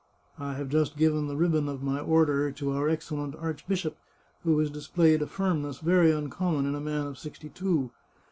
I have just given the ribbon of my Order to our excellent archbishop, who has displayed a firmness very uncommon in a man of sixty two.